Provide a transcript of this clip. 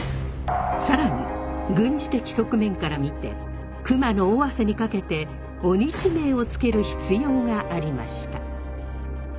更に軍事的側面から見て熊野尾鷲にかけて鬼地名を付ける必要がありました。